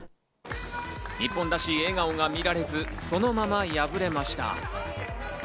日本らしい笑顔が見られず、そのまま敗れました。